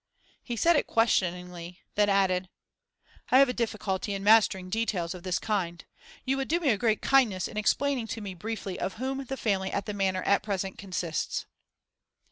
He said it questioningly; then added 'I have a difficulty in mastering details of this kind. You would do me a great kindness in explaining to me briefly of whom the family at the Manor at present consists?